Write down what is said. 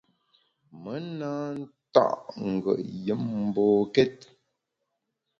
Me na nta’ ngùet yùm mbokét.